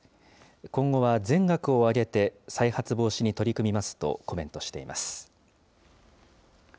今後は全学を挙げて再発防止に取り組みますとコメントしています。